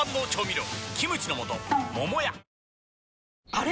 あれ？